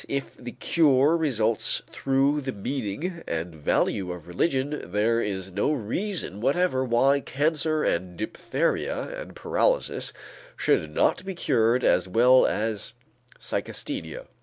If the cure results through the meaning and value of religion, there is no reason whatever why cancer and diphtheria and paralysis should not be cured as well as psychasthenia.